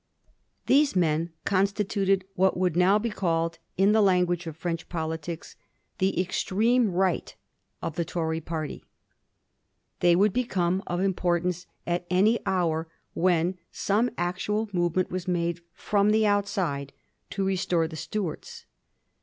These men constituted what would now be called in the language of French politics the Extreme Right of the Tory party ; they would become of importance at any hour when some actual movement was made firom the outside to restore the Stuarts.